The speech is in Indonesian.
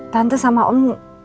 tante sama om